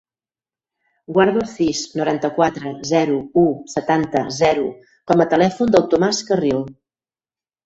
Guarda el sis, noranta-quatre, zero, u, setanta, zero com a telèfon del Thomas Carril.